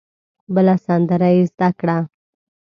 بله سندره یې زده کړه.